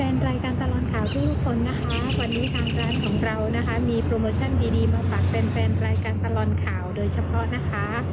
วันนี้ทางร้านของเรานะคะมีโปรโมชั่นดีมาฝากแฟนรายการตลอดข่าวโดยเฉพาะนะคะ